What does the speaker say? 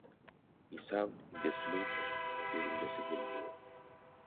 He served in the sloop-of-war during the Civil War.